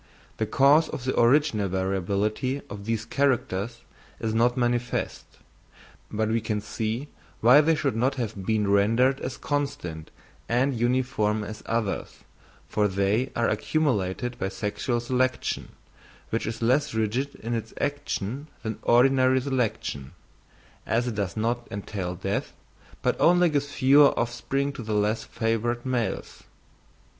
The cause of the original variability of these characters is not manifest; but we can see why they should not have been rendered as constant and uniform as others, for they are accumulated by sexual selection, which is less rigid in its action than ordinary selection, as it does not entail death, but only gives fewer offspring to the less favoured males.